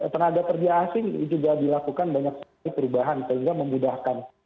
tenaga kerja asing juga dilakukan banyak sekali perubahan sehingga memudahkan